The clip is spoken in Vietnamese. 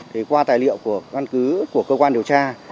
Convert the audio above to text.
thì qua tài liệu của căn cứ của cơ quan điều tra